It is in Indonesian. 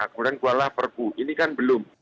kemudian keluarlah perpu ini kan belum